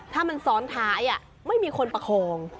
ถ้ามันซ้อนท้ายไม่มีคนประคอง